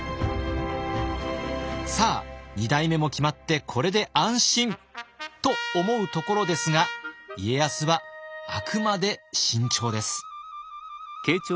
さあ二代目も決まって「これで安心！」と思うところですが家康はあくまで慎重です。